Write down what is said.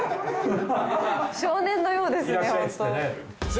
少年のようですねホント。